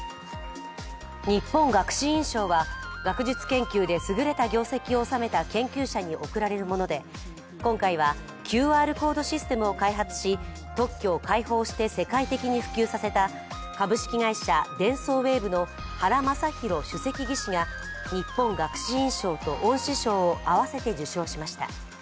日本学士院賞は学術研究ですぐれた業績を収めた研究者に贈られるもので、今回はＱＲコードシステムを開発し特許を開放して世界的に普及させた株式会社デンソーウェーブの原昌宏主席技師が日本学士院賞と恩賜賞を合わせて受賞しました。